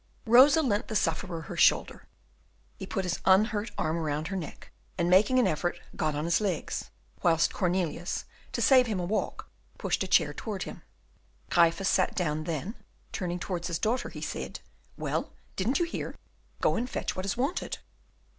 Rosa lent the sufferer her shoulder; he put his unhurt arm around her neck, and making an effort, got on his legs, whilst Cornelius, to save him a walk, pushed a chair towards him. Gryphus sat down; then, turning towards his daughter, he said, "Well, didn't you hear? go and fetch what is wanted."